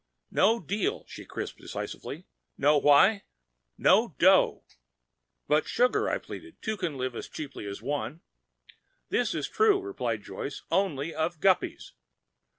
"No deal," she crisped decisively. "Know why? No dough!" "But, sugar," I pleaded, "two can live as cheaply as one—" "This is true," replied Joyce, "only of guppies.